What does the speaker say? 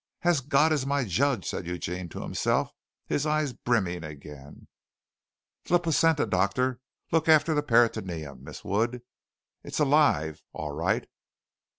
"As God is my judge," said Eugene to himself, his eyes brimming again. "The placenta, doctor. Look after the peritoneum, Miss Wood. It's alive, all right.